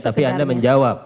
iya tapi anda menjawab